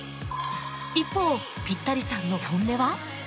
一方ピッタリさんの本音は？